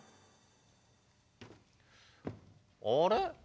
あれ？